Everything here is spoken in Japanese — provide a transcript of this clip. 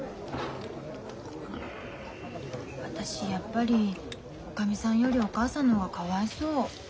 私やっぱりおかみさんよりお母さんの方がかわいそう。